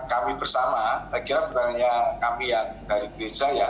kami bersama saya kira berdasarkan kami yang dari gereja